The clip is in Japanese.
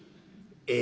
「え！